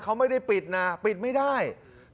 เขาไม่ได้ปิดนะปิดไม่ได้